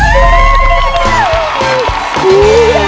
นี่ค่ะ